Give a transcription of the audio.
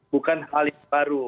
bukan hal yang baru